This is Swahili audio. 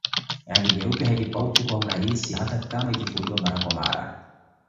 Rangi nyeupe haipauki kwa urahisi hata kama ikifuliwa mara kwa mara